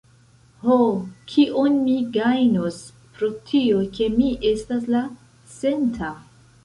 "Ho, kion mi gajnos pro tio, ke mi estas la centa?"